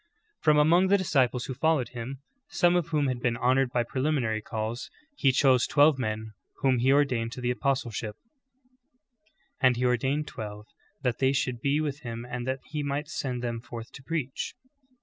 13. From among the disciples who followed Him, some 01 whom had been honored by preliminary calls. He chose twelve men, whom He ordained to the apostleship :— "And he ordained twelve, that they should be with him and that he might send them forth to preach."